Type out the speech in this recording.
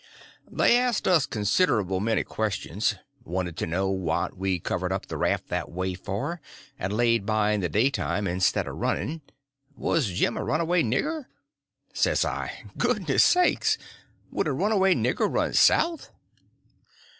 They asked us considerable many questions; wanted to know what we covered up the raft that way for, and laid by in the daytime instead of running—was Jim a runaway nigger? Says I: "Goodness sakes! would a runaway nigger run _south?